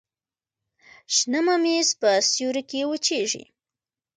شنه ممیز په سیوري کې وچیږي.